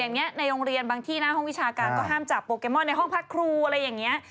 อย่างนี้ในโรงเรียนบางที่หน้าห้องวิชาการก็ห้ามจับโปเกมอนในห้องพักครูอะไรอย่างนี้